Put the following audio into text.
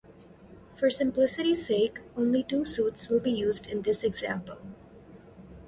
For simplicity's sake, only two suits will be used in this example.